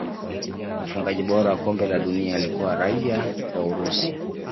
mfungaji bora wa kombe la dunia alikuwa raia wa urusi